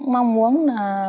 mong muốn là